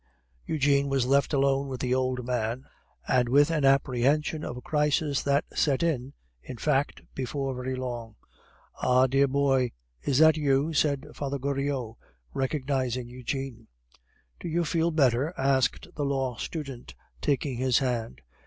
Eugene was left alone with the old man, and with an apprehension of a crisis that set in, in fact, before very long. "Ah! dear boy, is that you?" said Father Goriot, recognizing Eugene. "Do you feel better?" asked the law student, taking his hand.